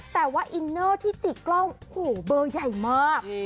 แต่ว่าอินเนอร์ที่จิกกล้องโอ้โหเบอร์ใหญ่มาก